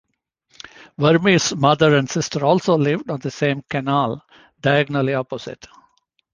Vermeer's mother and sister also lived on the same canal, diagonally opposite.